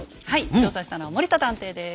調査したのは森田探偵です。